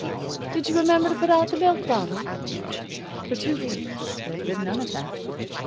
Did you remember to put out the milk bottle?" For two weeks there had been none of that.